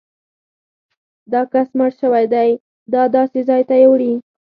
دا کس مړ شوی دی او داسې ځای ته یې وړي.